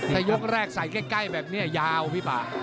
ถ้ายกแรกใส่ใกล้แบบนี้ยาวพี่ป่า